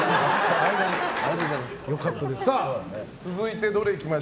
ありがとうございます。